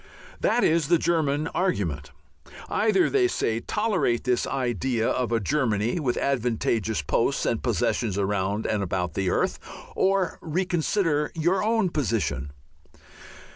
That is the German argument. Either, they say, tolerate this idea of a Germany with advantageous posts and possessions round and about the earth, or reconsider your own position.